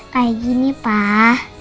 kayak gini pak